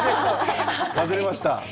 外れました。